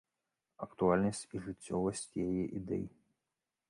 Актуальнасць і жыццёвасць яе ідэй.